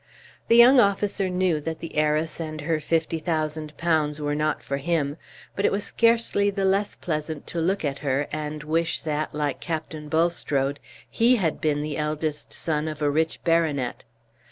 The young officer knew that the heiress and her fifty thousand pounds were not for him; but it was scarcely the less pleasant to look at her, and wish that, like Captain Bulstrode, he had been the eldest son of a rich baronet.